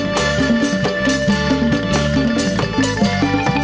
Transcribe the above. กลับมาที่สุดท้าย